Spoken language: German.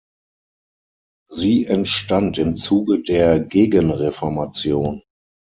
Sie entstand im Zuge der Gegenreformation.